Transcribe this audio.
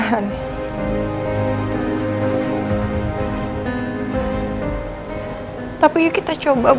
dan kamu baru minta maaf sekarang